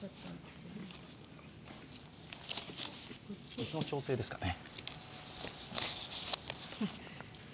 椅子の調整ですかね。